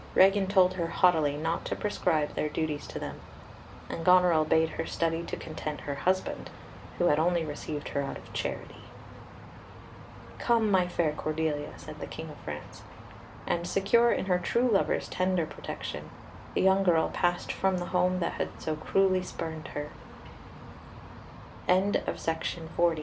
Regan told her haughtily not to prescribe their duties to them; and Goneril bade her study to content her husband, who had only received her out of charity. "Come, my fair Cordelia," said the King of France; and, secure in her true lover's tender protection, the young girl passed from the home that had so cruell